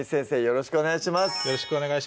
よろしくお願いします